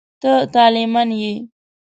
ته طالع من یې.